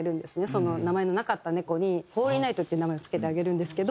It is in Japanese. その名前のなかった猫に「ホーリーナイト」っていう名前を付けてあげるんですけど。